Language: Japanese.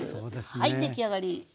はい出来上がり。